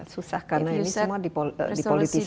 susah karena ini semua dipolitisasi